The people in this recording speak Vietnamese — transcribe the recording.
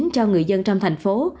cho người dân trong thành phố